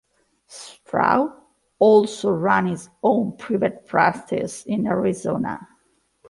Straub also ran his own private practice in Arizona.